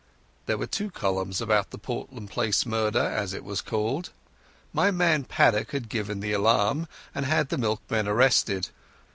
There were two columns about the Portland Place Murder, as it was called. My man Paddock had given the alarm and had the milkman arrested.